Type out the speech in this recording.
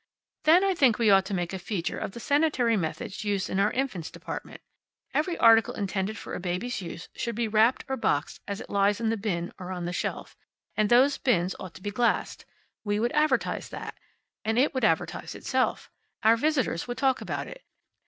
Then I think we ought to make a feature of the sanitary methods used in our infants' department. Every article intended for a baby's use should be wrapped or boxed as it lies in the bin or on the shelf. And those bins ought to be glassed. We would advertise that, and it would advertise itself. Our visitors would talk about it.